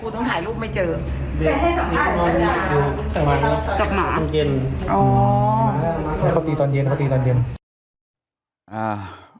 ตอนเย็นอ๋อเขาตีตอนเย็นเขาตีตอนเย็นอ่า